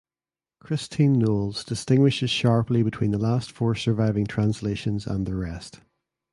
Christine Knowles distinguishes sharply between the last four surviving translations and the rest.